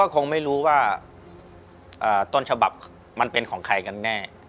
คงไม่รู้ว่าต้นฉบับมันเป็นของใครกันแน่